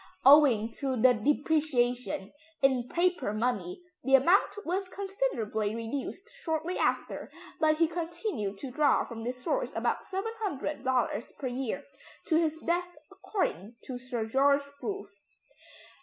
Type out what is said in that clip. Owing to the depreciation in paper money the amount was considerably reduced shortly after, but he continued to draw from this source about $700 per year to his death according to Sir George Grove.